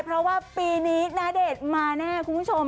เพราะว่าปีนี้ณเดชน์มาแน่คุณผู้ชม